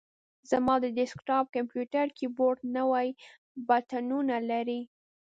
زما د ډیسک ټاپ کمپیوټر کیبورډ نوي بټنونه لري.